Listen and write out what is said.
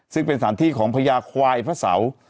ซึ่งเป็นสถานที่ของพญาควายพระเสา